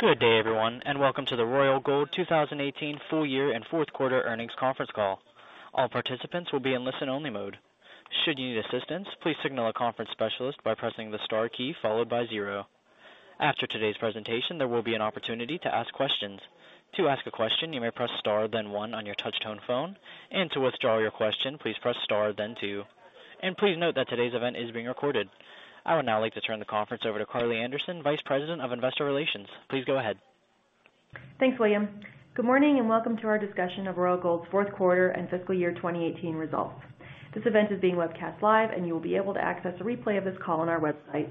Good day everyone, welcome to the Royal Gold 2018 full year and fourth quarter earnings conference call. All participants will be in listen only mode. Should you need assistance, please signal a conference specialist by pressing the star key followed by zero. After today's presentation, there will be an opportunity to ask questions. To ask a question, you may press star then one on your touch tone phone, to withdraw your question, please press star then two. Please note that today's event is being recorded. I would now like to turn the conference over to Karli Anderson, Vice President of Investor Relations. Please go ahead. Thanks, William. Good morning and welcome to our discussion of Royal Gold's fourth quarter and fiscal year 2018 results. This event is being webcast live, you will be able to access a replay of this call on our website.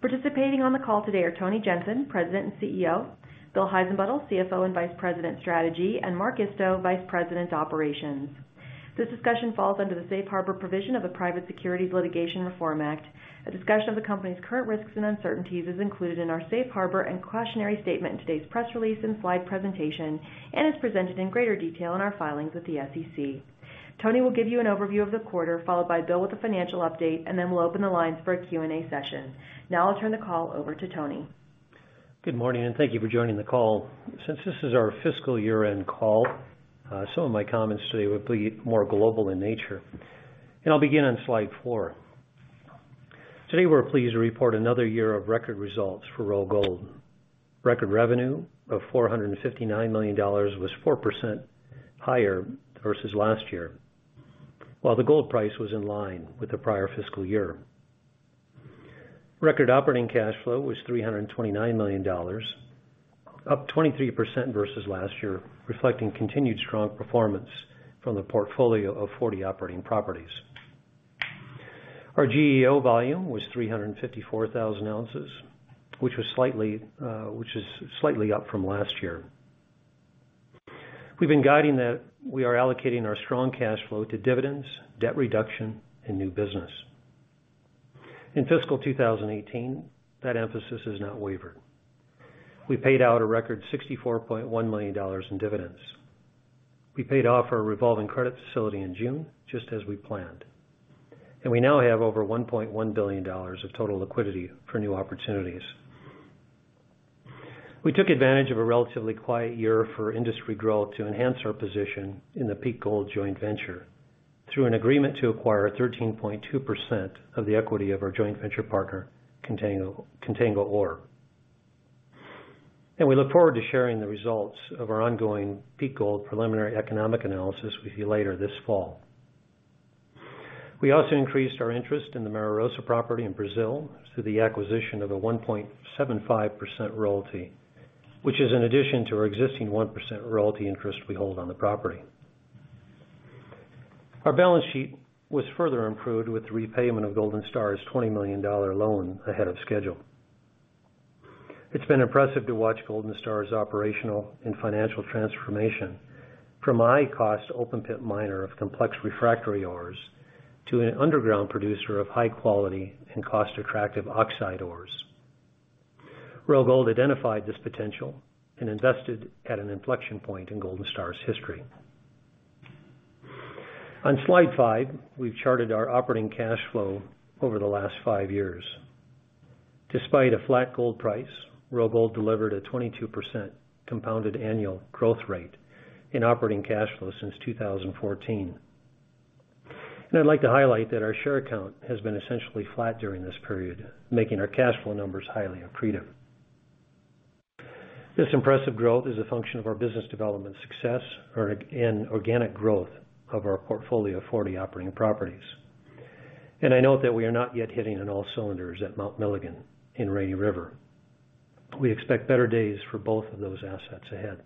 Participating on the call today are Tony Jensen, President and CEO, Bill Heissenbuttel, CFO and Vice President, Strategy, Mark Isto, Vice President, Operations. This discussion falls under the safe harbor provision of the Private Securities Litigation Reform Act. A discussion of the company's current risks and uncertainties is included in our safe harbor and cautionary statement in today's press release and slide presentation, is presented in greater detail in our filings with the SEC. Tony will give you an overview of the quarter, followed by Bill with the financial update, then we'll open the lines for a Q&A session. Now I'll turn the call over to Tony. Good morning, thank you for joining the call. Since this is our fiscal year-end call, some of my comments today will be more global in nature. I'll begin on slide four. Today we're pleased to report another year of record results for Royal Gold. Record revenue of $459 million was 4% higher versus last year, while the gold price was in line with the prior fiscal year. Record operating cash flow was $329 million, up 23% versus last year, reflecting continued strong performance from the portfolio of 40 operating properties. Our GEO volume was 354,000 ounces, which is slightly up from last year. We've been guiding that we are allocating our strong cash flow to dividends, debt reduction, and new business. In fiscal 2018, that emphasis has not wavered. We paid out a record $64.1 million in dividends. We paid off our revolving credit facility in June, just as we planned. We now have over $1.1 billion of total liquidity for new opportunities. We took advantage of a relatively quiet year for industry growth to enhance our position in the Peak Gold joint venture, through an agreement to acquire 13.2% of the equity of our joint venture partner, Contango Ore. We look forward to sharing the results of our ongoing Peak Gold preliminary economic assessment with you later this fall. We also increased our interest in the Mara Rosa property in Brazil through the acquisition of a 1.75% royalty, which is in addition to our existing 1% royalty interest we hold on the property. Our balance sheet was further improved with the repayment of Golden Star's $20 million loan ahead of schedule. It's been impressive to watch Golden Star's operational and financial transformation from a high cost open pit miner of complex refractory ores to an underground producer of high quality and cost attractive oxide ores. Royal Gold identified this potential and invested at an inflection point in Golden Star's history. On slide five, we've charted our operating cash flow over the last five years. Despite a flat gold price, Royal Gold delivered a 22% compounded annual growth rate in operating cash flow since 2014. I'd like to highlight that our share count has been essentially flat during this period, making our cash flow numbers highly accretive. This impressive growth is a function of our business development success and organic growth of our portfolio of 40 operating properties. I note that we are not yet hitting on all cylinders at Mount Milligan and Rainy River. We expect better days for both of those assets ahead.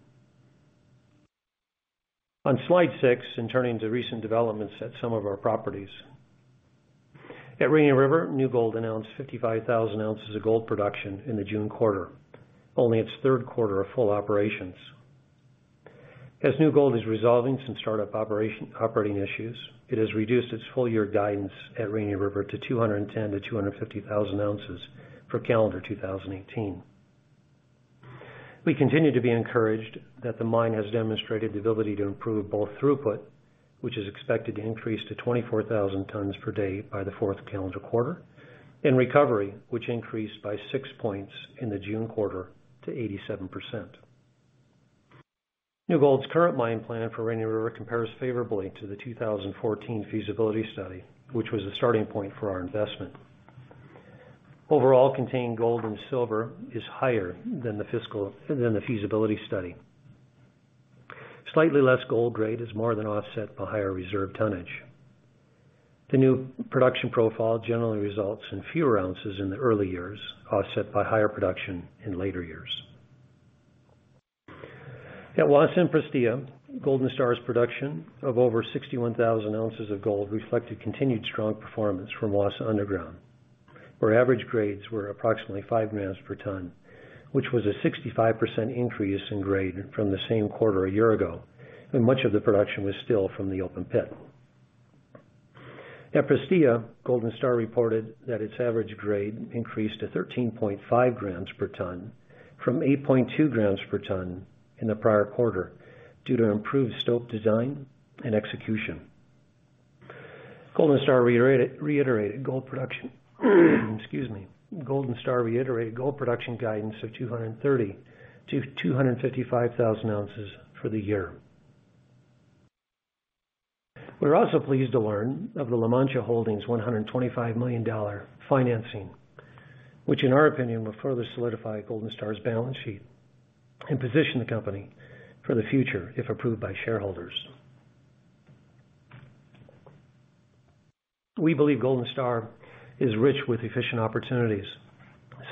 On slide six, turning to recent developments at some of our properties. At Rainy River, New Gold announced 55,000 ounces of gold production in the June quarter, only its third quarter of full operations. As New Gold is resolving some startup operating issues, it has reduced its full year guidance at Rainy River to 210,000-250,000 ounces for calendar 2018. We continue to be encouraged that the mine has demonstrated the ability to improve both throughput, which is expected to increase to 24,000 tons per day by the fourth calendar quarter, and recovery, which increased by six points in the June quarter to 87%. New Gold's current mine plan for Rainy River compares favorably to the 2014 feasibility study, which was a starting point for our investment. Overall contained gold and silver is higher than the feasibility study. Slightly less gold grade is more than offset by higher reserve tonnage. The new production profile generally results in fewer ounces in the early years, offset by higher production in later years. At Wassa, Golden Star's production of over 61,000 ounces of gold reflected continued strong performance from Wassa Underground, where average grades were approximately 5 grams per ton, which was a 65% increase in grade from the same quarter a year ago, and much of the production was still from the open pit. At Prestea, Golden Star reported that its average grade increased to 13.5 grams per ton from 8.2 grams per ton in the prior quarter, due to improved stope design and execution. Golden Star reiterated gold production guidance of 230,000-255,000 ounces for the year. We're also pleased to learn of the La Mancha Holdings $125 million financing, which in our opinion, will further solidify Golden Star's balance sheet and position the company for the future if approved by shareholders. We believe Golden Star is rich with efficient opportunities,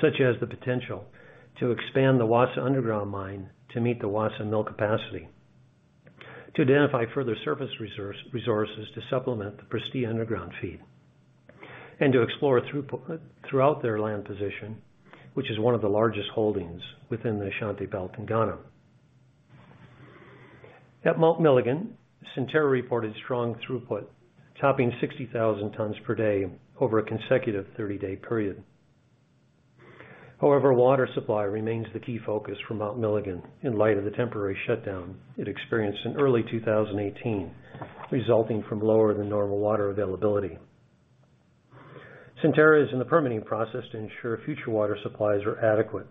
such as the potential to expand the Wassa Underground Mine to meet the Wassa Mill capacity, to identify further surface resources to supplement the Prestea Underground feed, and to explore throughout their land position, which is one of the largest holdings within the Ashanti Belt in Ghana. At Mount Milligan, Centerra reported strong throughput, topping 60,000 tons per day over a consecutive 30-day period. However, water supply remains the key focus for Mount Milligan in light of the temporary shutdown it experienced in early 2018, resulting from lower than normal water availability. Centerra is in the permitting process to ensure future water supplies are adequate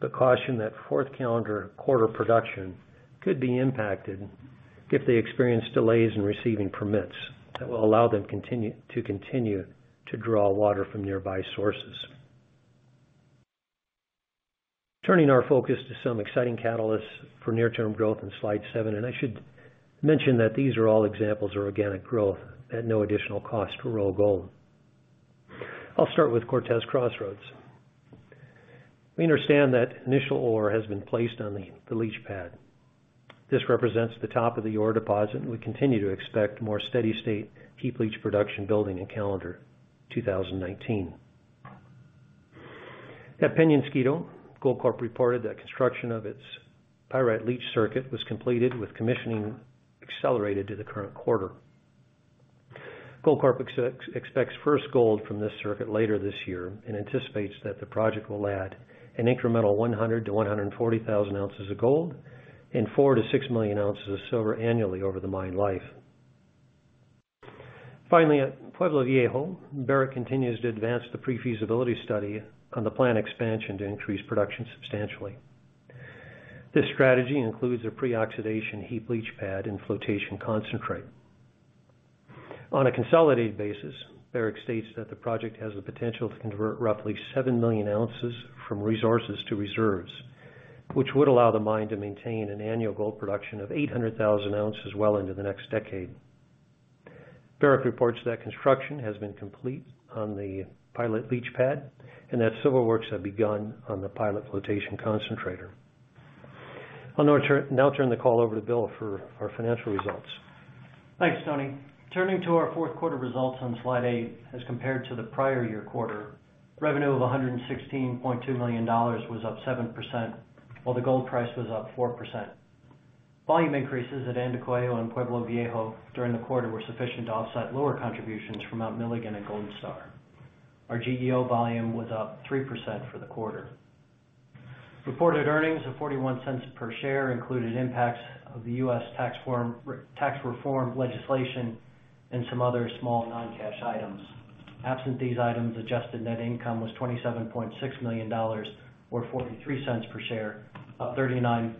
but caution that fourth calendar quarter production could be impacted if they experience delays in receiving permits that will allow them to continue to draw water from nearby sources. Turning our focus to some exciting catalysts for near-term growth in slide seven. I should mention that these are all examples of organic growth at no additional cost to Royal Gold. I will start with Cortez Crossroads. We understand that initial ore has been placed on the leach pad. This represents the top of the ore deposit, and we continue to expect more steady state heap leach production building in calendar 2019. At Peñasquito, Goldcorp reported that construction of its pyrite leach circuit was completed with commissioning accelerated to the current quarter. Goldcorp expects first gold from this circuit later this year and anticipates that the project will add an incremental 100,000-140,000 ounces of gold and four to six million ounces of silver annually over the mine life. Finally, at Pueblo Viejo, Barrick continues to advance the pre-feasibility study on the plant expansion to increase production substantially. This strategy includes a pre-oxidation heap leach pad and flotation concentrate. On a consolidated basis, Barrick states that the project has the potential to convert roughly seven million ounces from resources to reserves, which would allow the mine to maintain an annual gold production of 800,000 ounces well into the next decade. Barrick reports that construction has been complete on the pilot leach pad, and that civil works have begun on the pilot flotation concentrator. I will now turn the call over to Bill for our financial results. Thanks, Tony. Turning to our fourth quarter results on slide eight, as compared to the prior year quarter, revenue of $116.2 million was up 7%, while the gold price was up 4%. Volume increases at Andacollo and Pueblo Viejo during the quarter were sufficient to offset lower contributions from Mount Milligan and Golden Star. Our GEO volume was up 3% for the quarter. Reported earnings of $0.41 per share included impacts of the U.S. tax reform legislation and some other small non-cash items. Absent these items, adjusted net income was $27.6 million, or $0.43 per share, up 39%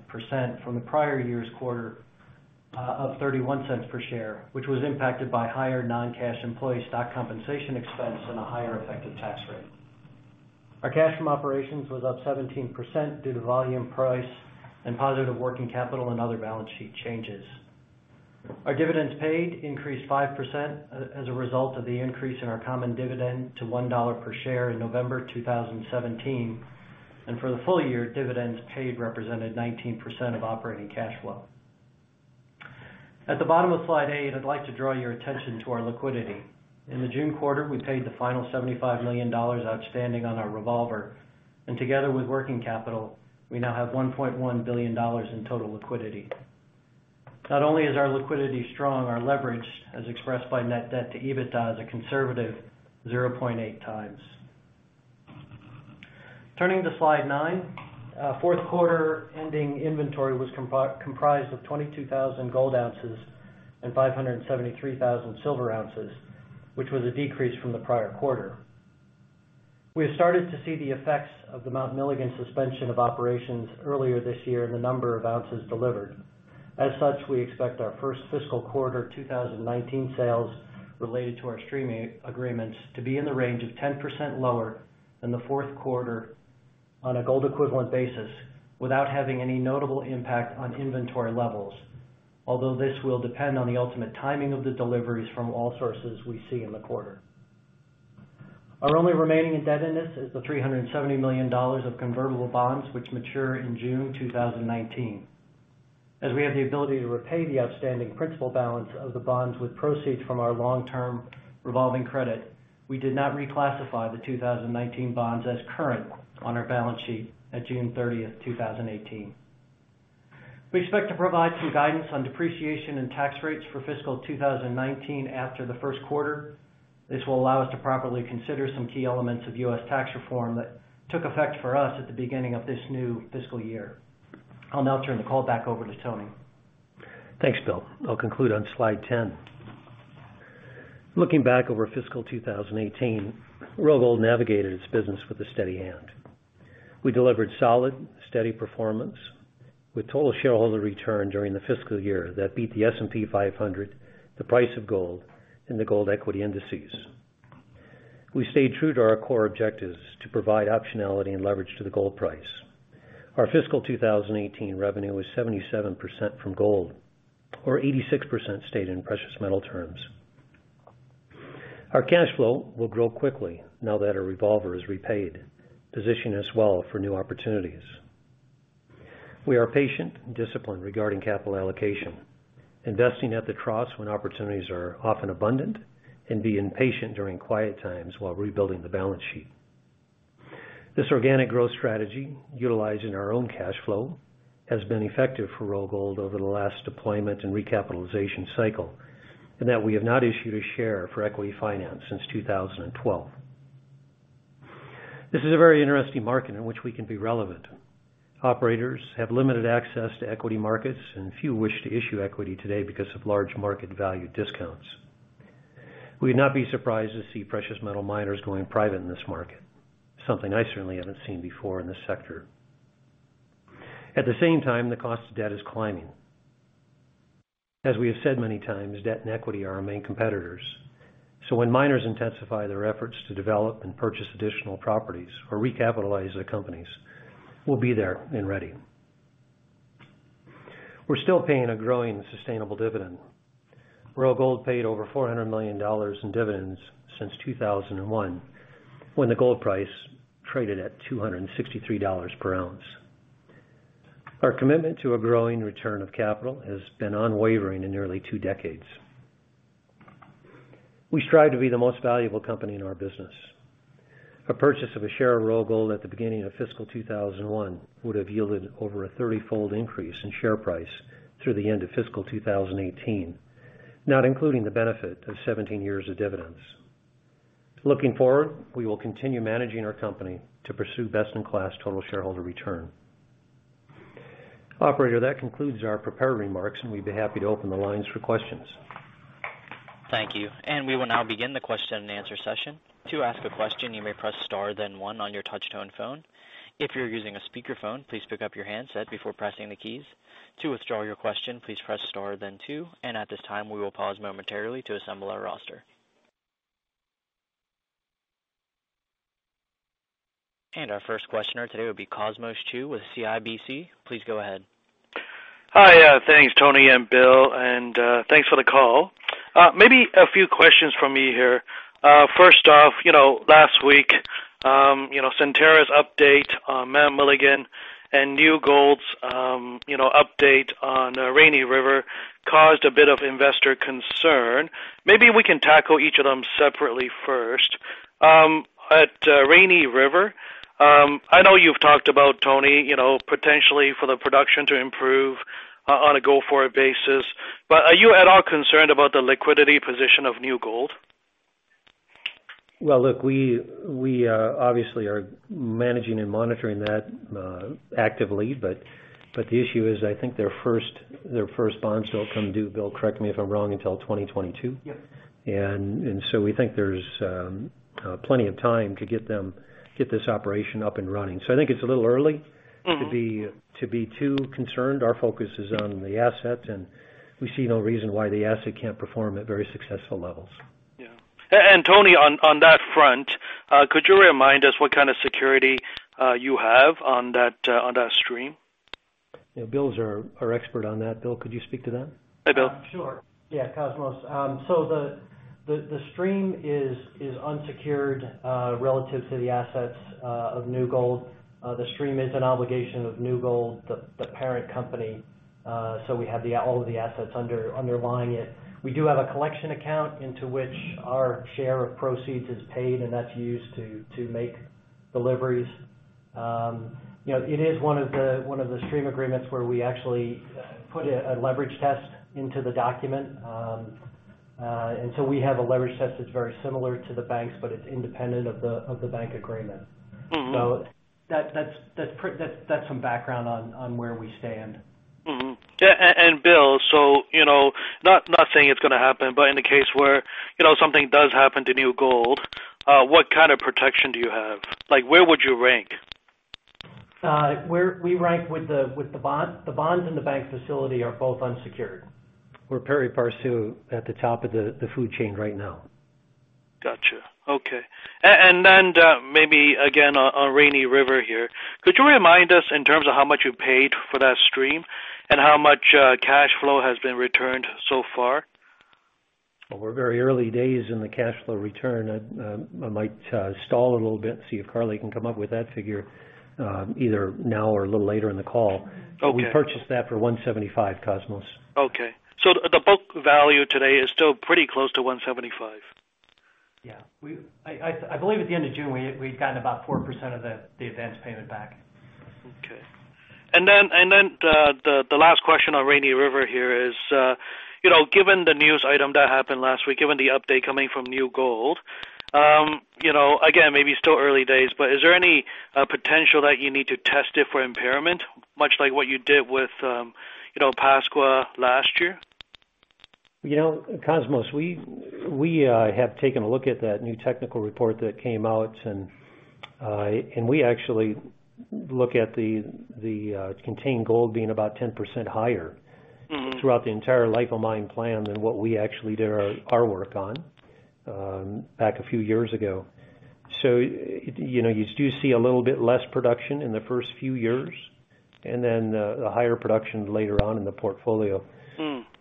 from the prior year's quarter of $0.31 per share, which was impacted by higher non-cash employee stock compensation expense and a higher effective tax rate. Our cash from operations was up 17% due to volume price and positive working capital and other balance sheet changes. Our dividends paid increased 5% as a result of the increase in our common dividend to $1 per share in November 2017. For the full year, dividends paid represented 19% of operating cash flow. At the bottom of slide eight, I would like to draw your attention to our liquidity. In the June quarter, we paid the final $75 million outstanding on our revolver, and together with working capital, we now have $1.1 billion in total liquidity. Not only is our liquidity strong, our leverage, as expressed by net debt to EBITDA, is a conservative 0.8 times. Turning to slide nine, fourth quarter ending inventory was comprised of 22,000 gold ounces and 573,000 silver ounces, which was a decrease from the prior quarter. We have started to see the effects of the Mount Milligan suspension of operations earlier this year in the number of ounces delivered. As such, we expect our first fiscal quarter 2019 sales related to our streaming agreements to be in the range of 10% lower than the fourth quarter on a gold equivalent basis, without having any notable impact on inventory levels. Although this will depend on the ultimate timing of the deliveries from all sources we see in the quarter. Our only remaining indebtedness is the $370 million of convertible bonds, which mature in June 2019. As we have the ability to repay the outstanding principal balance of the bonds with proceeds from our long-term revolving credit, we did not reclassify the 2019 bonds as current on our balance sheet at June 30, 2018. We expect to provide some guidance on depreciation and tax rates for fiscal 2019 after the first quarter. This will allow us to properly consider some key elements of U.S. tax reform that took effect for us at the beginning of this new fiscal year. I'll now turn the call back over to Tony. Thanks, Bill. I'll conclude on slide 10. Looking back over fiscal 2018, Royal Gold navigated its business with a steady hand. We delivered solid, steady performance with total shareholder return during the fiscal year that beat the S&P 500, the price of gold, and the gold equity indices. We stayed true to our core objectives to provide optionality and leverage to the gold price. Our fiscal 2018 revenue was 77% from gold, or 86% stayed in precious metal terms. Our cash flow will grow quickly now that our revolver is repaid, positioning us well for new opportunities. We are patient and disciplined regarding capital allocation, investing at the troughs when opportunities are often abundant, and being patient during quiet times while rebuilding the balance sheet. This organic growth strategy, utilizing our own cash flow, has been effective for Royal Gold over the last deployment and recapitalization cycle, in that we have not issued a share for equity finance since 2012. This is a very interesting market in which we can be relevant. Operators have limited access to equity markets, and few wish to issue equity today because of large market value discounts. We would not be surprised to see precious metal miners going private in this market, something I certainly haven't seen before in this sector. At the same time, the cost of debt is climbing. As we have said many times, debt and equity are our main competitors. When miners intensify their efforts to develop and purchase additional properties or recapitalize their companies, we'll be there and ready. We're still paying a growing sustainable dividend. Royal Gold paid over $400 million in dividends since 2001, when the gold price traded at $263 per ounce. Our commitment to a growing return of capital has been unwavering in nearly two decades. We strive to be the most valuable company in our business. A purchase of a share of Royal Gold at the beginning of fiscal 2001 would have yielded over a 30-fold increase in share price through the end of fiscal 2018, not including the benefit of 17 years of dividends. Looking forward, we will continue managing our company to pursue best-in-class total shareholder return. Operator, that concludes our prepared remarks, and we'd be happy to open the lines for questions. Thank you. We will now begin the question and answer session. To ask a question, you may press star then one on your touch tone phone. If you're using a speakerphone, please pick up your handset before pressing the keys. To withdraw your question, please press star then two. At this time, we will pause momentarily to assemble our roster. Our first questioner today will be Cosmos Chiu with CIBC. Please go ahead. Hi. Thanks, Tony and Bill, and thanks for the call. Maybe a few questions from me here. First off, last week, Centerra's update on Mount Milligan and New Gold's update on Rainy River caused a bit of investor concern. Maybe we can tackle each of them separately first. At Rainy River, I know you've talked about, Tony, potentially for the production to improve on a go-forward basis, but are you at all concerned about the liquidity position of New Gold? Well, look, we obviously are managing and monitoring that actively, but the issue is, I think their first bonds don't come due, Bill, correct me if I'm wrong, until 2022? Yes. We think there's plenty of time to get this operation up and running. I think it's a little early to be too concerned. Our focus is on the asset, and we see no reason why the asset can't perform at very successful levels. Yeah. Tony, on that front, could you remind us what kind of security you have on that stream? Bill's our expert on that. Bill, could you speak to that? Hi, Bill. Sure. Yeah, Cosmos Chiu. The stream is unsecured relative to the assets of New Gold. The stream is an obligation of New Gold, the parent company, so we have all of the assets underlying it. We do have a collection account into which our share of proceeds is paid, and that's used to make deliveries. It is one of the stream agreements where we actually put a leverage test into the document. We have a leverage test that's very similar to the banks, but it's independent of the bank agreement. That's some background on where we stand. Bill, not saying it's going to happen, but in the case where something does happen to New Gold, what kind of protection do you have? Where would you rank? We rank with the bond. The bond and the bank facility are both unsecured. We're pari passu at the top of the food chain right now. Got you. Okay. Then maybe again, on Rainy River here, could you remind us in terms of how much you paid for that stream and how much cash flow has been returned so far? Well, we're very early days in the cash flow return. I might stall a little bit and see if Carly can come up with that figure, either now or a little later in the call. Okay. We purchased that for $175, Cosmos. Okay. The book value today is still pretty close to $175? Yeah. I believe at the end of June, we'd gotten about 4% of the advanced payment back. Okay. The last question on Rainy River here is Given the news item that happened last week, given the update coming from New Gold, again, maybe still early days, but is there any potential that you need to test it for impairment, much like what you did with Pascua last year? Cosmos, we have taken a look at that new technical report that came out, and we actually look at the contained gold being about 10% higher throughout the entire life of mine plan than what we actually did our work on back a few years ago. You do see a little bit less production in the first few years, and then the higher production later on in the portfolio.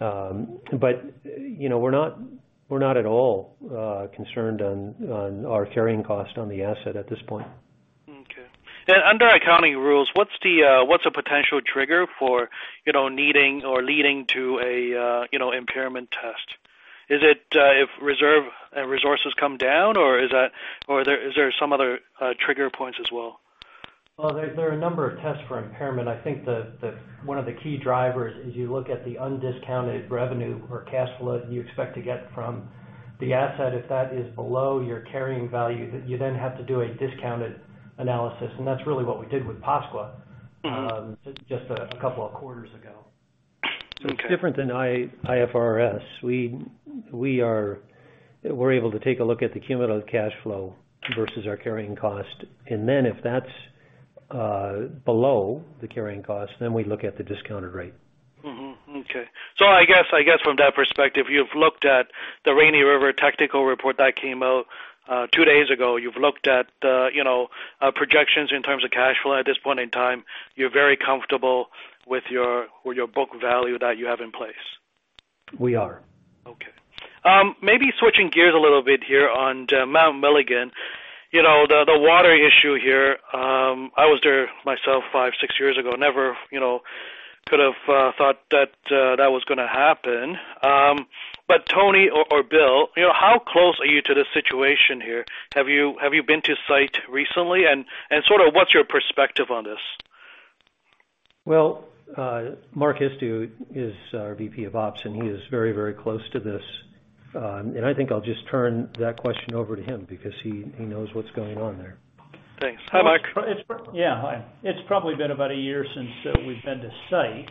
We're not at all concerned on our carrying cost on the asset at this point. Okay. Under accounting rules, what's a potential trigger for needing or leading to an impairment test? Is it if reserve resources come down or is there some other trigger points as well? Well, there are a number of tests for impairment. I think one of the key drivers is you look at the undiscounted revenue or cash flow that you expect to get from the asset. If that is below your carrying value, you then have to do a discounted analysis, and that's really what we did with Pascua just a couple of quarters ago. Okay. It's different than IFRS. We're able to take a look at the cumulative cash flow versus our carrying cost, and then if that's below the carrying cost, then we look at the discounted rate. Okay. I guess from that perspective, you've looked at the Rainy River technical report that came out two days ago. You've looked at projections in terms of cash flow at this point in time. You're very comfortable with your book value that you have in place. We are. Okay. Maybe switching gears a little bit here on Mount Milligan, the water issue here. I was there myself five, six years ago. Never could have thought that was gonna happen. Tony or Bill, how close are you to the situation here? Have you been to site recently and what's your perspective on this? Well, Mark Isto is our VP of Ops, he is very close to this. I think I'll just turn that question over to him because he knows what's going on there. Thanks. Hi, Mark. Yeah. Hi. It's probably been about a year since we've been to site,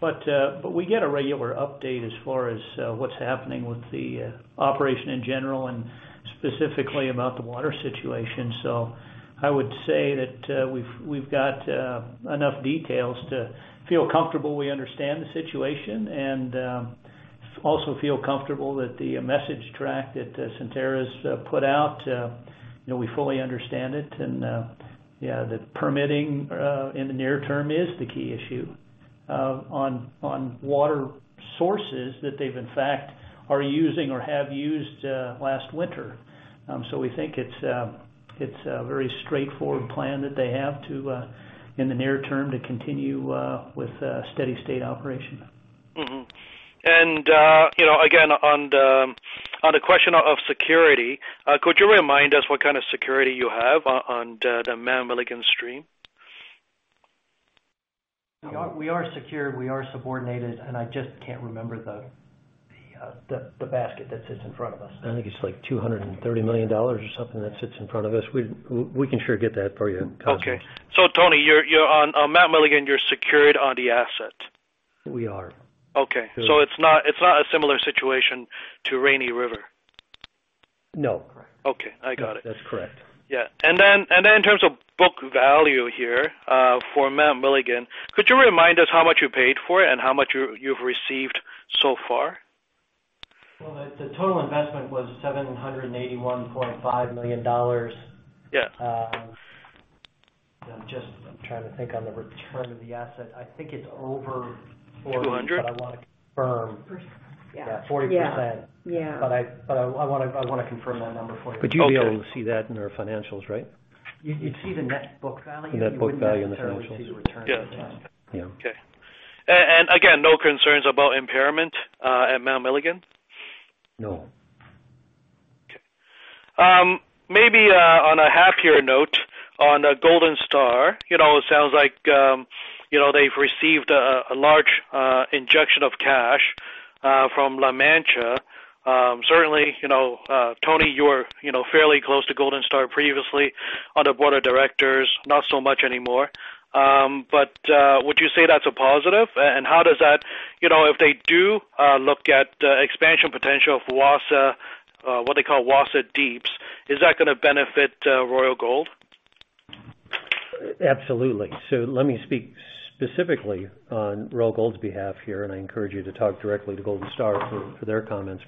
but we get a regular update as far as what's happening with the operation in general, and specifically about the water situation. I would say that we've got enough details to feel comfortable we understand the situation, and also feel comfortable that the message track that Centerra's put out, we fully understand it, and the permitting in the near term is the key issue on water sources that they, in fact, are using or have used last winter. We think it's a very straightforward plan that they have in the near term to continue with steady state operation. Again, on the question of security, could you remind us what kind of security you have on the Mount Milligan stream? We are secured, we are subordinated, and I just can't remember the basket that sits in front of us. I think it's like $230 million or something that sits in front of us. We can sure get that for you, Cosmos. Okay. Tony, on Mount Milligan, you're secured on the asset. We are. Okay. It's not a similar situation to Rainy River. No. Okay. I got it. That's correct. In terms of book value here, for Mount Milligan, could you remind us how much you paid for it and how much you've received so far? Well, the total investment was $781.5 million. Yeah. I'm just trying to think on the return of the asset. I think it's over. 200? I want to confirm. 40. Yeah. Yeah, 40%. Yeah. I want to confirm that number for you. You'll be able to see that in our financials, right? You'd see the net book value. The net book value in the financials. You wouldn't necessarily see the return on investment. Yeah. Okay. Again, no concerns about impairment at Mount Milligan? No. Okay. Maybe on a happier note, on Golden Star, it sounds like they've received a large injection of cash from La Mancha. Certainly, Tony, you were fairly close to Golden Star previously on the board of directors, not so much anymore. Would you say that's a positive? How does that, if they do look at expansion potential for Wassa, what they call Wassa Deeps, is that gonna benefit Royal Gold? Absolutely. Let me speak specifically on Royal Gold's behalf here, and I encourage you to talk directly to Golden Star for their comments.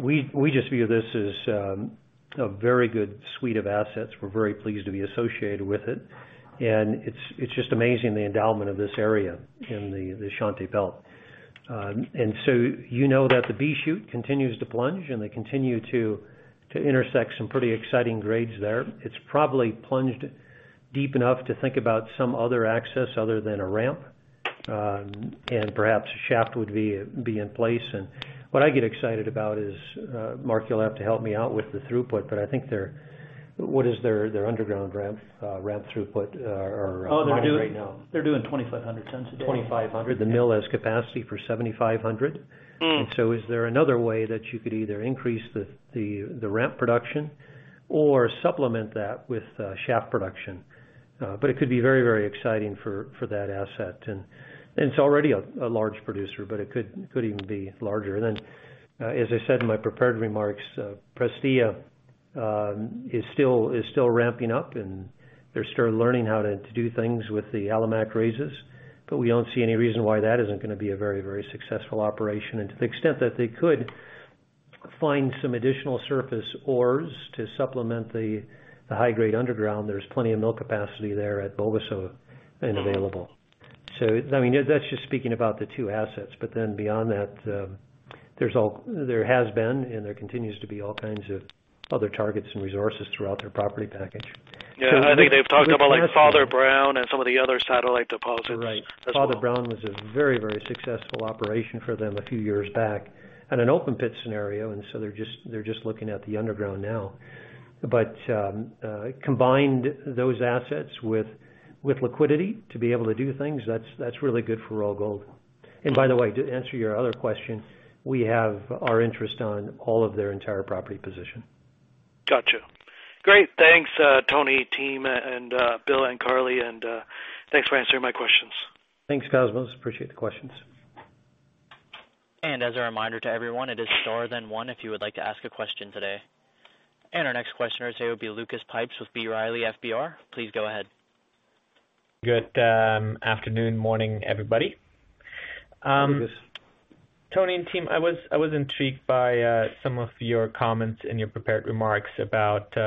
We just view this as a very good suite of assets. We're very pleased to be associated with it, and it's just amazing the endowment of this area in the Ashanti Belt. You know that the B-Shoot continues to plunge, and they continue to intersect some pretty exciting grades there. It's probably plunged deep enough to think about some other access other than a ramp, and perhaps a shaft would be in place. What I get excited about is, Mark, you'll have to help me out with the throughput, but what is their underground ramp throughput or mining right now? They're doing 2,500 tons a day. 2,500. The mill has capacity for 7,500. Is there another way that you could either increase the ramp production or supplement that with shaft production? It could be very exciting for that asset. It's already a large producer, but it could even be larger. As I said in my prepared remarks, Prestea is still ramping up, and they're still learning how to do things with the Alimak raises, but we don't see any reason why that isn't going to be a very successful operation. To the extent that they could find some additional surface ores to supplement the high-grade underground, there's plenty of mill capacity there at Bogoso available. That's just speaking about the two assets. Beyond that, there has been, and there continues to be all kinds of other targets and resources throughout their property package. Yeah, I think they've talked about Father Brown and some of the other satellite deposits as well. Right. Father Brown was a very successful operation for them a few years back in an open pit scenario. They're just looking at the underground now. Combined those assets with liquidity to be able to do things, that's really good for Royal Gold. By the way, to answer your other question, we have our interest on all of their entire property position. Got you. Great. Thanks, Tony, team, Bill and Carly. Thanks for answering my questions. Thanks, Cosmos. Appreciate the questions. As a reminder to everyone, it is star then one if you would like to ask a question today. Our next questioner today will be Lucas Pipes with B. Riley FBR. Please go ahead. Good afternoon, morning, everybody. Lucas. Tony and team, I was intrigued by some of your comments in your prepared remarks about how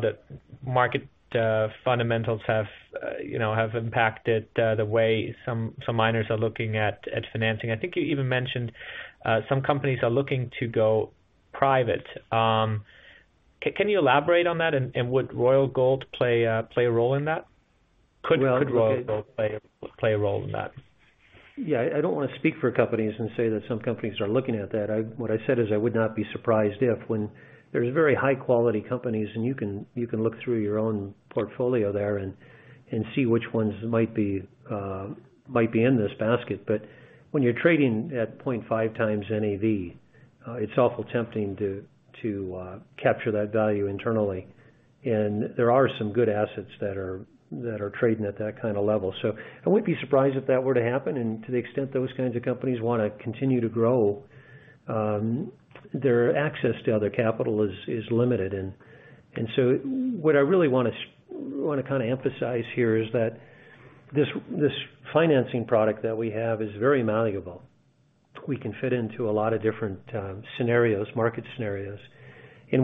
the market fundamentals have impacted the way some miners are looking at financing. I think you even mentioned some companies are looking to go private. Can you elaborate on that, and would Royal Gold play a role in that? Could Royal Gold play a role in that? Yeah, I don't want to speak for companies and say that some companies are looking at that. What I said is I would not be surprised if, when there's very high-quality companies, you can look through your own portfolio there and see which ones might be in this basket. When you're trading at 0.5 times NAV, it's awful tempting to capture that value internally. There are some good assets that are trading at that kind of level. I wouldn't be surprised if that were to happen. To the extent those kinds of companies want to continue to grow, their access to other capital is limited. What I really want to kind of emphasize here is that this financing product that we have is very malleable. We can fit into a lot of different market scenarios.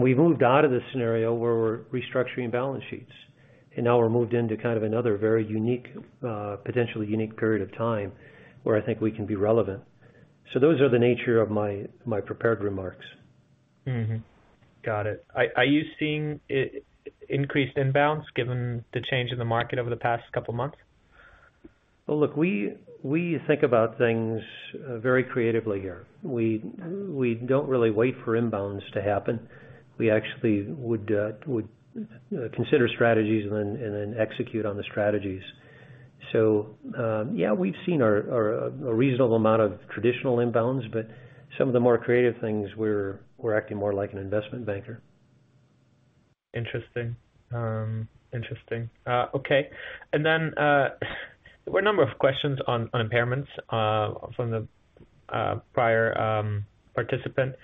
We've moved out of the scenario where we're restructuring balance sheets, now we're moved into kind of another very potentially unique period of time where I think we can be relevant. Those are the nature of my prepared remarks. Got it. Are you seeing increased inbounds given the change in the market over the past couple of months? Well, look, we think about things very creatively here. We don't really wait for inbounds to happen. We actually would consider strategies and then execute on the strategies. Yeah, we've seen a reasonable amount of traditional inbounds, but some of the more creative things, we're acting more like an investment banker. Interesting. Okay. There were a number of questions on impairments from the prior participant.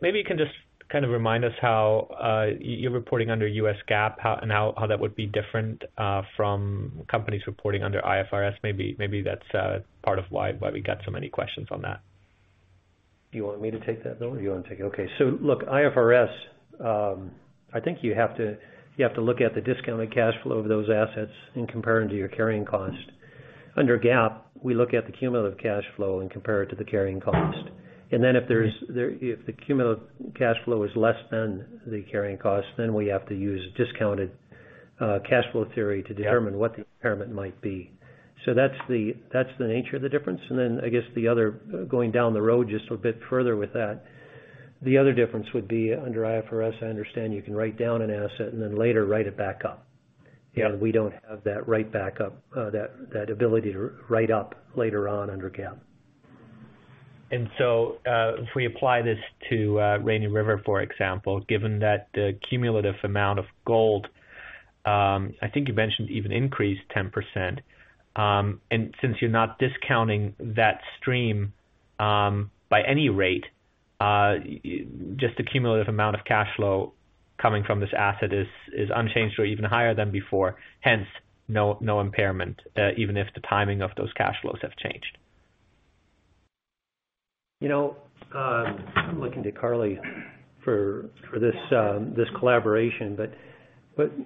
Maybe you can just kind of remind us how you're reporting under U.S. GAAP and how that would be different from companies reporting under IFRS. Maybe that's part of why we got so many questions on that. You want me to take that, Bill, or you want to take it? Okay. IFRS, I think you have to look at the discounted cash flow of those assets and compare them to your carrying cost. Under GAAP, we look at the cumulative cash flow and compare it to the carrying cost. If the cumulative cash flow is less than the carrying cost, then we have to use discounted cash flow theory to determine what the impairment might be. That's the nature of the difference. I guess going down the road just a bit further with that, the other difference would be under IFRS, I understand you can write down an asset and then later write it back up. Yeah. We don't have that ability to write up later on under GAAP. If we apply this to Rainy River, for example, given that the cumulative amount of gold, I think you mentioned even increased 10%, and since you're not discounting that stream by any rate, just the cumulative amount of cash flow coming from this asset is unchanged or even higher than before, hence no impairment, even if the timing of those cash flows have changed. I'm looking to Carly for this collaboration,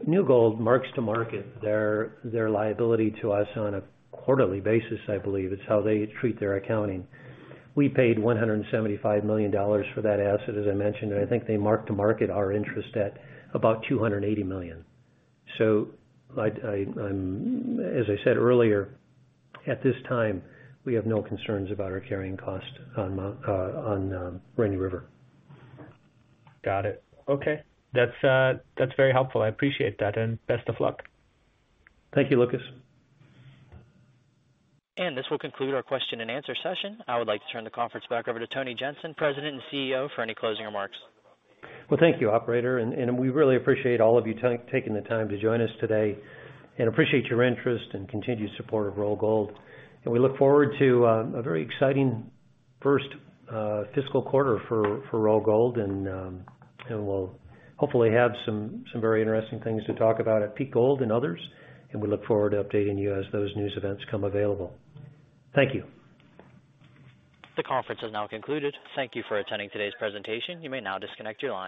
New Gold marks to market their liability to us on a quarterly basis, I believe, is how they treat their accounting. We paid $175 million for that asset, as I mentioned, and I think they marked to market our interest at about $280 million. As I said earlier, at this time, we have no concerns about our carrying cost on Rainy River. Got it. Okay. That's very helpful. I appreciate that, and best of luck. Thank you, Lucas. This will conclude our question and answer session. I would like to turn the conference back over to Tony Jensen, President and CEO, for any closing remarks. Well, thank you, operator. We really appreciate all of you taking the time to join us today and appreciate your interest and continued support of Royal Gold. We look forward to a very exciting first fiscal quarter for Royal Gold, and we'll hopefully have some very interesting things to talk about at Peak Gold and others, and we look forward to updating you as those news events come available. Thank you. The conference is now concluded. Thank you for attending today's presentation. You may now disconnect your line.